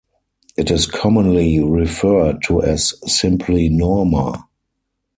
It is commonly referred to as simply Norma.